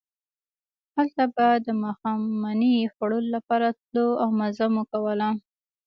هلته به د ماښامنۍ خوړلو لپاره تلو او مزه مو کوله.